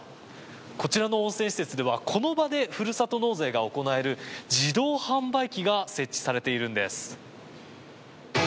こちらの温泉施設ではこの場でふるさと納税が行える自動販売機が設置されているんです。